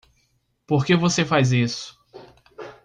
Por que você faz isso?